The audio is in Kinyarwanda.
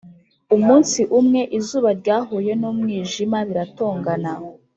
Umunsi umwe izuba ryahuye n'umwijima biratongana